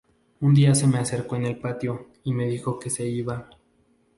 Un día se me acercó en el patio y me dijo que se iba.